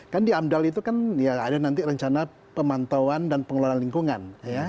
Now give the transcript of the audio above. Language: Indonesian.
kan di amdal itu kan ya ada nanti rencana pemantauan dan pengelolaan lingkungan